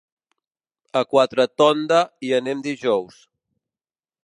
A Quatretonda hi anem dijous.